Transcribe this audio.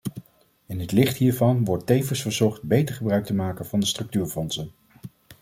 In het licht hiervan wordt tevens verzocht beter gebruik te maken van de structuurfondsen.